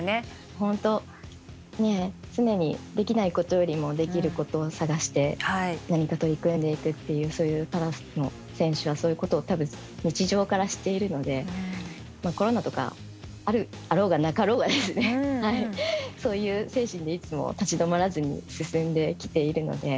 本当ねえ常にできないことよりもできることを探して何か取り組んでいくっていうパラの選手はそういうことを多分日常からしているのでコロナとかあろうがなかろうがですねそういう精神でいつも立ち止まらずに進んできているので。